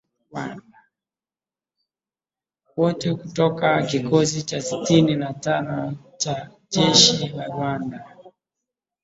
wote kutoka kikosi cha sitini na tano cha jeshi la Rwanda